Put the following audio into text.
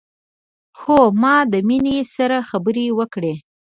هو ما د مينې سره خبرې وکړې